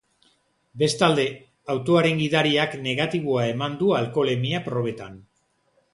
Bestalde, autoaren gidariak negatiboa eman du alkoholemia probetan.